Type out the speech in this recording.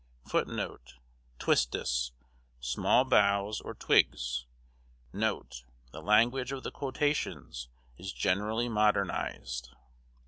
+ Twistis, small boughs or twigs. NOTE The language of the quotations is generally modernized.